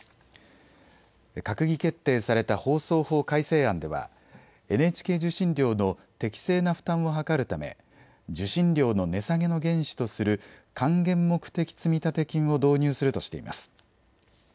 閣議決定された放送法改正案ではＮＨＫ受信料の適正な負担を図るため受信料の値下げの原資とする還元目的積立金を導入するとしています。